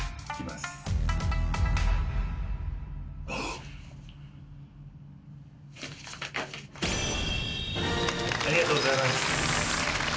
ありがとうございます。